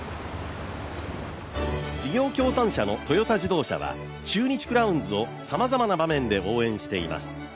事業協賛社のトヨタ自動車は中日クラウンズをさまざまな場面で応援しています。